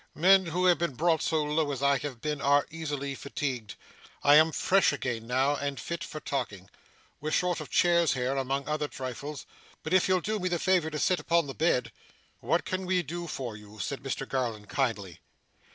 Men who have been brought so low as I have been, are easily fatigued. I am fresh again now, and fit for talking. We're short of chairs here, among other trifles, but if you'll do me the favour to sit upon the bed ' 'What can we do for you?' said Mr Garland, kindly.